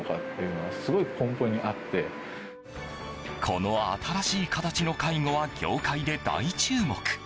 この新しい形の介護は業界で大注目。